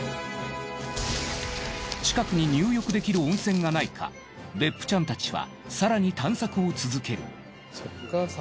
近くに入浴できる温泉がないか別府ちゃんたちは更に探索を続ける。